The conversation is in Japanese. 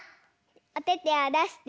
おててをだして。